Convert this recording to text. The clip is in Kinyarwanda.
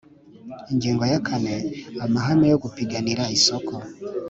Ingingo ya kane Amahame yo gupiganira isoko